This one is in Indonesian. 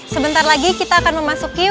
sebentar lagi kita akan memasuki